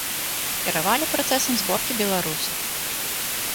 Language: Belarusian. Кіравалі працэсам зборкі беларусы.